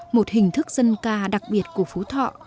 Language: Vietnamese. một hình thức dân ca đặc biệt của phú thọ